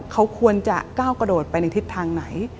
เขาควรจะก้าวกระโดดไปในทิศทางไหน